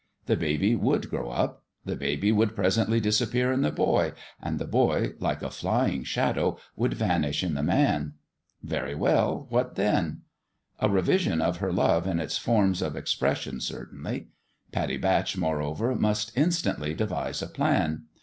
The baby would grow up : the baby would presently disappear in the boy, and the boy, like a flying shadow, would vanish in the man. Very well, what then ? A revision A FATHER for The BABY 177 of her love in its forms of expression, certainly. Pattie Batch, moreover, must instantly devise a plan.